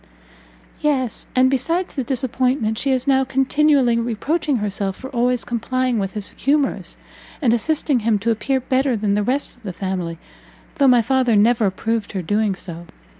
"Yes, and besides the disappointment, she is now continually reproaching herself for always complying with his humours, and assisting him to appear better than the rest of his family, though my father never approved her doing so.